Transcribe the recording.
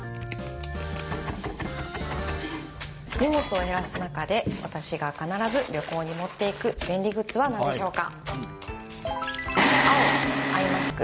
荷物を減らす中で私が必ず旅行に持って行く便利グッズは何でしょうか？